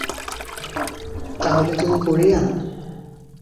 তাহলে তুমি কোরিয়ান?